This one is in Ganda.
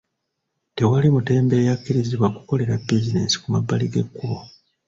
Tewali mutembeeyi akkirizibwa kukolera bizinensi ku mabbali g'ekkubo.